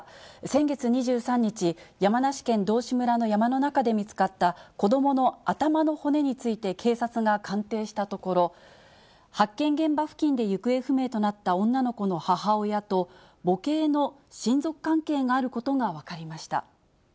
先月２３日、山梨県道志村の山の中で見つかった、子どもの頭の骨について警察が鑑定したところ、発見現場付近で行方不明となった女の子の母親と、母系の親族関係があることが分かりました。